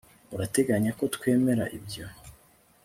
urateganya ko twemera ibyo